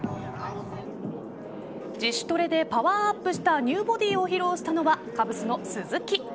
自主トレでパワーアップしたニューボディーを披露したのはカブスの鈴木。